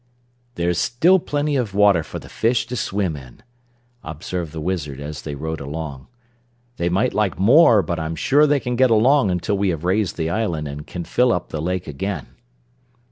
"There's still plenty of water for the fish to swim in," observed the Wizard as they rode along. "They might like more but I'm sure they can get along until we have raised the island and can fill up the lake again."